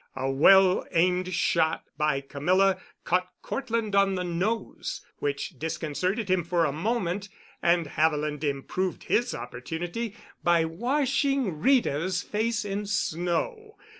A well aimed shot by Camilla caught Cortland on the nose, which disconcerted him for a moment, and Haviland improved his opportunity by washing Rita's face in snow.